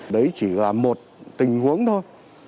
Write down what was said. đấy chỉ là một tình huống thôi